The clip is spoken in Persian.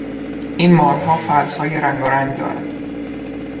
این مارها فلسهای رنگارنگ دارند.